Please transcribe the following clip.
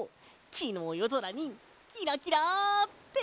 きのうよぞらにキラキラって。